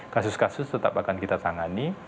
kasus kasus tetap akan kita tangani